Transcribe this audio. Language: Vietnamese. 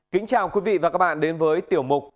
kính chào quý vị và các bạn đến với tiểu mục